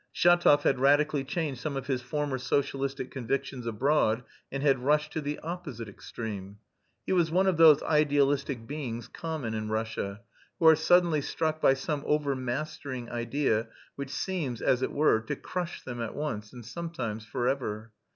Shatov had radically changed some of his former socialistic convictions abroad and had rushed to the opposite extreme. He was one of those idealistic beings common in Russia, who are suddenly struck by some overmastering idea which seems, as it were, to crush them at once, and sometimes forever.